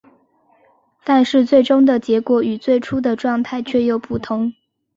但是最终的结果与最初的状态却又不同。